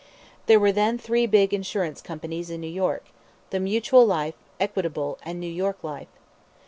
There were then three big insurance companies in New York the Mutual Life, Equitable, and New York Life.